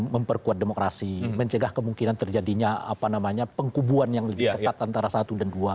memperkuat demokrasi mencegah kemungkinan terjadinya pengkubuan yang lebih ketat antara satu dan dua